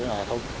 cho bà con